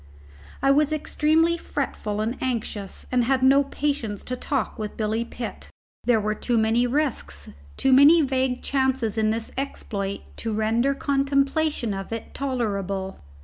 I was extremely fretful and anxious and had no patience to talk with Billy Pitt. There were too many risks, too many vague chances in this exploit to render contemplation of it tolerable.